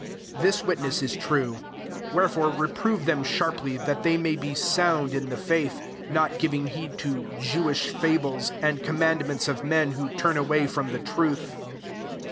13 This witness 4s true : wherefore reprove them sharp ly, that they may be sound in the faith; 14 not giving Keed to Jewish fables, and command ments of men who turn away from the truth.